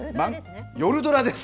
夜ドラです。